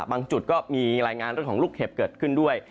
จุดก็มีรายงานเรื่องของลูกเห็บเกิดขึ้นด้วย